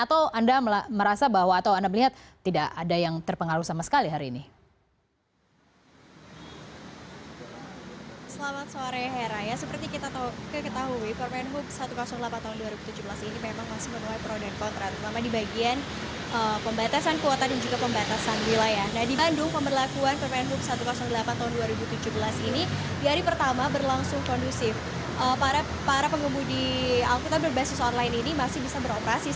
atau anda merasa bahwa atau anda melihat tidak ada yang terpengaruh sama sekali hari ini